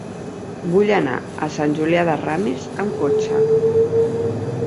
Vull anar a Sant Julià de Ramis amb cotxe.